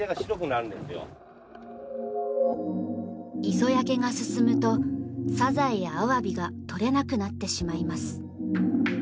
磯焼けが進むとサザエやアワビが取れなくなってしまいます。